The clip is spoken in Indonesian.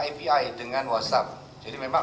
ivi dengan whatsapp jadi memang